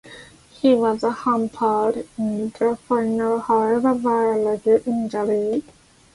He was hampered in the finals, however, by a leg injury.